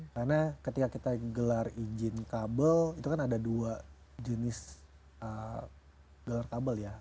karena ketika kita gelar izin kabel itu kan ada dua jenis gelar kabel ya